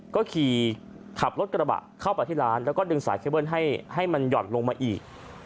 ก็ขี่ขับรถกระบะเข้าไปที่ร้านแล้วก็ดึงสายเคเบิ้ลให้มันหย่อนลงมาอีก